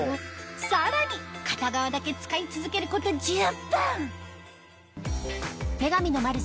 さらに片側だけ使い続けること１０分！